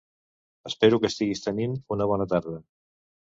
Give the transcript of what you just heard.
Espero que estiguis tenint una bona tarda.